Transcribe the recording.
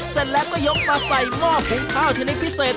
เสร็จแล้วก็ยกมาใส่หม้อหุงข้าวชนิดพิเศษ